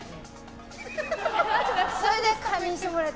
それで堪忍してもらって。